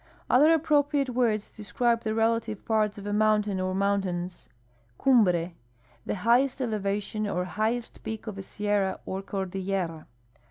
Other appropriate words describe the relative parts of a moun tain or mountains : Cnmhre. — The highest elevation or highest peak of a sierra or cordillera.